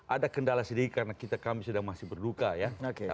ada kendala sedikit karena kami sudah masih berduka ya